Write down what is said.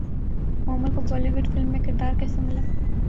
مومل کو Bollywood film میں کردار کیسے ملا